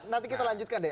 nanti kita lanjutkan deh